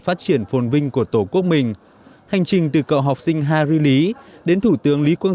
phát triển phồn vinh của tổ quốc mình hành trình từ cậu học sinh hari lý đến thủ tướng lý quốc